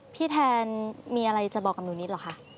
พี่แทนมีอะไรจะบอกกับหนูนิดเหรอคะ